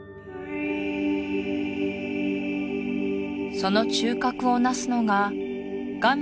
その中核を成すのが画面